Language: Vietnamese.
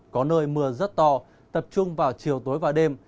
có nơi mưa rất to tập trung vào chiều tối và đêm